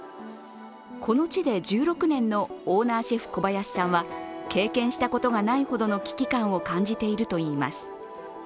この地で１６年のオーナーシェフ小林さんは経験したことがないほどの危機感を感じているといいます。